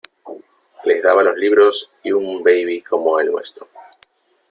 les daba los libros y un babi como el nuestro .